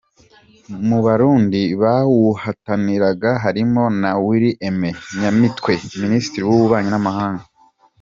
Mu Barundi bawuhataniraga harimo na Willy Aime Nyamitwe, Minisitiri w’Ububanyi n’Amahanga.